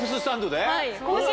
はい。